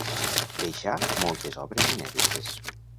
Deixà moltes obres inèdites.